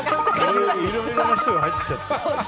いろいろな人が入ってきちゃった。